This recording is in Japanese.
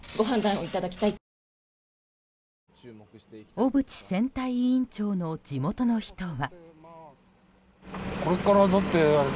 小渕選対委員長の地元の人は。